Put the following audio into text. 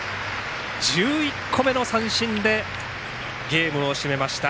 １１個目の三振でゲームを締めました。